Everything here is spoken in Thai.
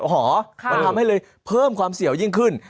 มันทำให้เลยเพิ่มความเสี่ยวยิ่งขึ้น